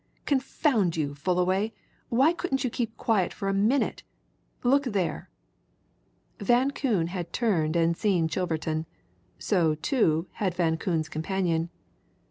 Confound you, Fullaway! why couldn't you keep quiet for a minute? Look there!" Van Koon had turned and seen Chilverton. So, too, had Van Koon's companion.